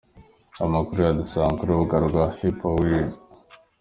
Amakuru dusanga ku rubuga rwa Hiphopwired.